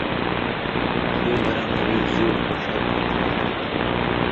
شُوگراں مریض جُوڑ ہو ݜرپھت ہوتُھو۔